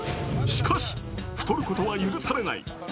しかし、太ることは許されない。